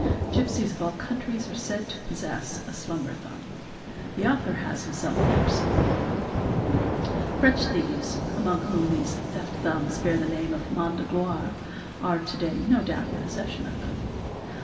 Gipsies of all countries are said to possess a "slumber thumb"; the author has himself never seen one. French thieves, among whom these "theft thumbs" bear the name of main de gloire®", are to day no doubt in possession of them.